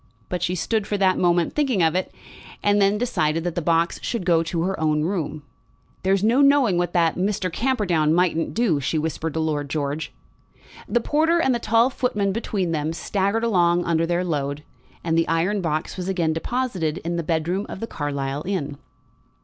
But she stood for that moment thinking of it, and then decided that the box should go to her own room. "There's no knowing what that Mr. Camperdown mightn't do," she whispered to Lord George. The porter and the tall footman, between them, staggered along under their load, and the iron box was again deposited in the bedroom of the Carlisle inn.